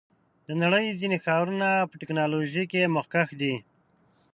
د نړۍ ځینې ښارونه په ټیکنالوژۍ کې مخکښ دي.